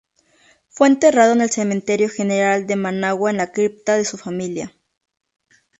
Fue enterrado en el Cementerio General de Managua en la cripta de su familia.